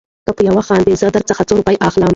او که په يوه خاندې زه در څخه روپۍ اخلم.